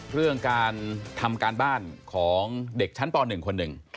เรื่องการทำการบ้านของเด็กชั้นป๑คนหนึ่ง